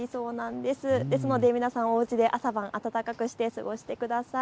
ですので皆さん、おうちで朝晩暖かくして過ごしてください。